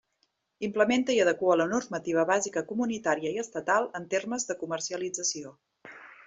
Implementa i adequa la normativa bàsica comunitària i estatal en temes de comercialització.